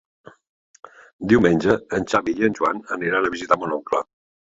Diumenge en Xavi i en Joan aniran a visitar mon oncle.